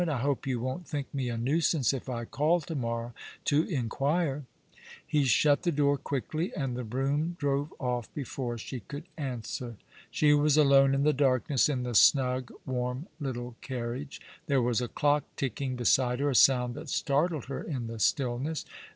"I hope you won't think me a nuisance if I call to morrow to inquire." He shut the door quickly, and the brougham drove off before she could answer. She was alone in the darkness in the snug, warm little carriage. There was a clock ticking beside her, a sound that startled her in the stillness.